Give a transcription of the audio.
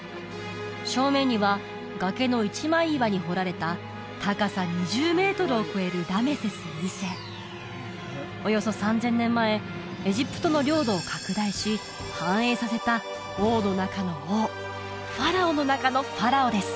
正面には崖の一枚岩に掘られた高さ２０メートルを超えるラメセス２世およそ３０００年前エジプトの領土を拡大し繁栄させた王の中の王ファラオの中のファラオです